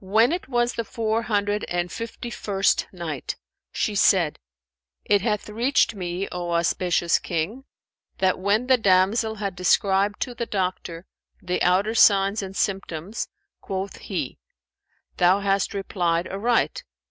When it was the Four Hundred and Fifty first Night, She said, It hath reached me, O auspicious King, that when the damsel had described to the doctor the outer signs and symptoms quoth he, "Thou hast replied aright!